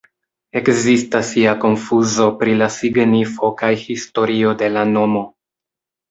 Ekzistas ia konfuzo pri la signifo kaj historio de la nomo.